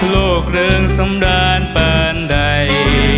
โลกเริ่งสำราญเปินใด